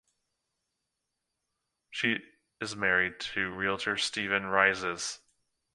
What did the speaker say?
She is married to realtor Steven Reizes.